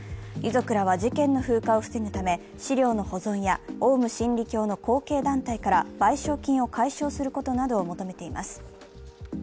遺族らは事件の風化を防ぐため資料の保存やオウム真理教の後継団体から賠償金を回収することなどを求めています。